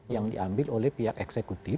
yang diambil oleh pihak eksekutif